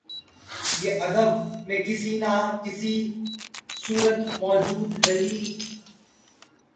یہ ادب میں کسی نہ کسی صورت موجود رہی